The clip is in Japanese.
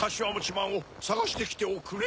まんをさがしてきておくれ。